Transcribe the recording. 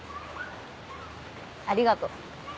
ありがとう。